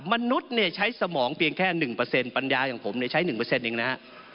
มนุษย์เนี่ยใช้สมองเพียงแค่๑ปัญญาอย่างผมเนี่ยใช้๑เองนะ